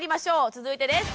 続いてです。